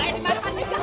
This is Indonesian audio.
ayo dimarukan tinggal